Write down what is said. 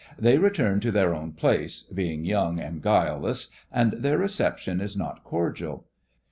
They return to their own place, being young and guileless, and their reception is not cordial.